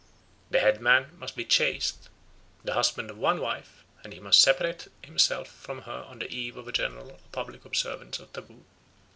The headman must be chaste, the husband of one wife, and he must separate himself from her on the eve of a general or public observance of taboo.